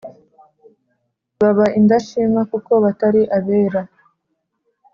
baba indashima kuko batari abera